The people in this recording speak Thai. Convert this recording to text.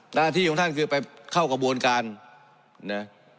หน้าที่ของท่านคือไปเข้ากระบวนการนะ